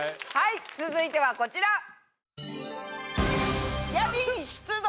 はい続いてはこちら。